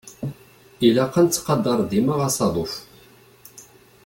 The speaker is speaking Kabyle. Ilaq ad nettqadar dima asaḍuf.